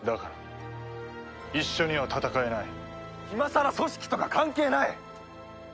今さら組織とか関係ない！